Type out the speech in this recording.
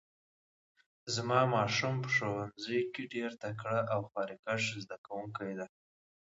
زما ماشوم په ښوونځي کې ډیر تکړه او خواریکښ زده کوونکی ده